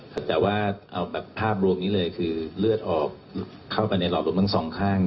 แต่ว่าเอาแบบภาพรวมนี้เลยคือเลือดออกเข้าไปในหลอดลมทั้งสองข้าง